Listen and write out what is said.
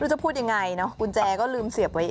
จะพูดยังไงเนาะกุญแจก็ลืมเสียบไว้เอง